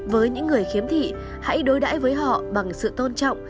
với những người kiếm thị hãy đối đải với họ bằng sự tôn trọng